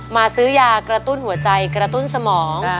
ซื้อยากระตุ้นหัวใจกระตุ้นสมอง